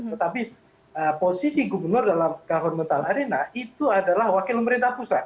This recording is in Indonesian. tetapi posisi gubernur dalam governmental arena itu adalah wakil pemerintah pusat